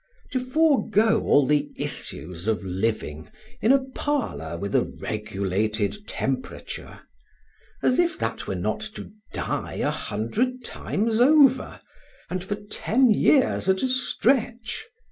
To forego all the issues of living in a parlour with a regulated temperature as if that were not to die a hundred times over, and for ten years at a stretch!